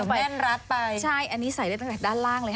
แว่นรัดไปใช่อันนี้ใส่ได้ตั้งแต่ด้านล่างเลยค่ะ